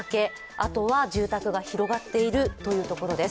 あとは住宅が広がっているというところです。